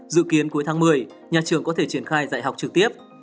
dự kiến cuối tháng một mươi nhà trường có thể triển khai dạy học trực tiếp